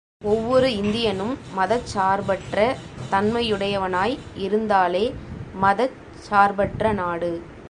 ஒவ்வொரு இந்தியனும் மதச் சார்பற்ற தன்மையுடையவனாய் இருந்தாலே மதச் சார்பற்ற நாடு.